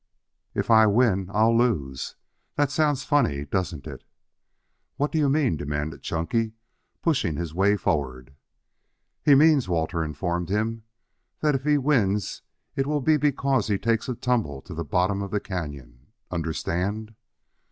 "If I win, I'll lose. That sounds funny, doesn't it?" "What do you mean?" demanded Chunky, pushing his way forward. "He means," Walter informed him, "that if he wins it will be because he takes a tumble to the bottom of the canyon. Understand?"